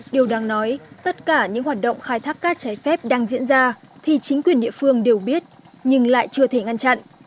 điều đáng nói tất cả những hoạt động khai thác cát trái phép đang diễn ra thì chính quyền địa phương đều biết nhưng lại chưa thể ngăn chặn